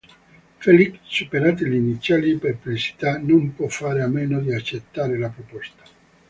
Felix, superate le iniziali perplessità, non può fare a meno di accettare la proposta.